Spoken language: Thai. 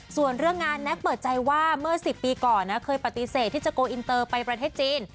ส่วนเรื่องงานแน็กเปิดใจว่าเมื่อ๑๐ปีก่อนนะเคยปฏิเสธที่จะโกลอินเตอร์ไปประเทศจีน